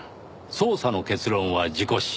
捜査の結論は事故死。